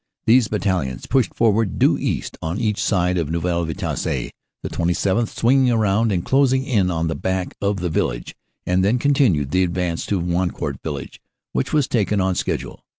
These battalions pushed forward due east on each side .of Neuville Vitasse, the 27th. swinging round and closing in on the back of the village, and then continued the advance to Wancourt village, which was taken on schedule.